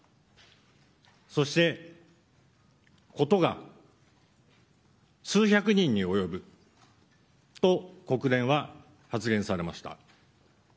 そして、事が数百人に及ぶと国連は発言されました。